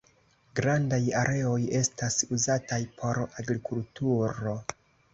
Grandaj areoj estas uzataj por agrikulturo.